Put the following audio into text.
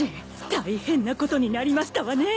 大変なことになりましたわね。